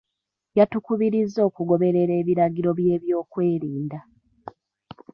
Yatukubiriza okugoberera ebiragiro by'ebyokwerinda.